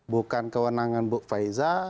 bukan kewenangan bu faiza